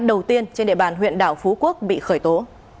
đầu tiên trên địa bàn huyện đảo phú quốc bị khởi tố